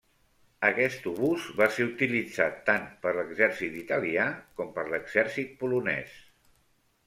Aquest obús va ser utilitzat tant per l'exèrcit italià com per l'exèrcit polonès.